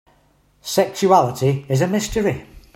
Sexuality is a mystery.